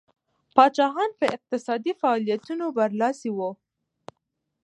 پاچاهان په اقتصادي فعالیتونو برلاسي وو.